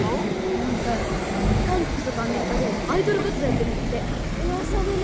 何か韓国とかアメリカでアイドル活動やってるんだって噂でね